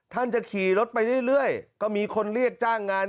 ท่านจะขี่รถไปเรื่อยก็มีคนเรียกจ้างงาน